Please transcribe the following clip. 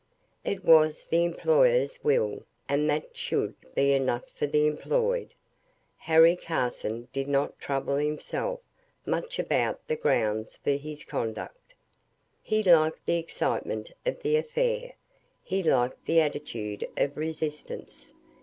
It was the employer's will, and that should be enough for the employed. Harry Carson did not trouble himself much about the grounds for his conduct. He liked the excitement of the affair. He liked the attitude of resistance.